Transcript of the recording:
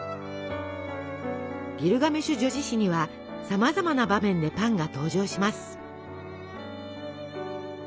「ギルガメシュ叙事詩」にはさまざまな場面でパンが登場します。